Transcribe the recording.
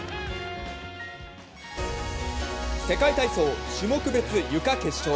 世界体操、種目別ゆか決勝。